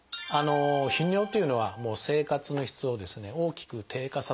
頻尿というのは生活の質をですね大きく低下させる症状ですね。